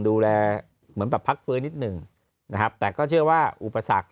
ดูแลเหมือนแบบพักฟื้งนิดนึงแต่ก็เชื่อว่าอุปสรรคหรือว่า